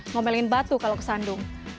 ngomelin batu kalau kesandung